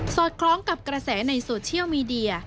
อดคล้องกับกระแสในโซเชียลมีเดีย